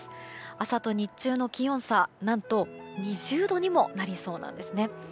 朝と日中の気温差何と２０度にもなりそうです。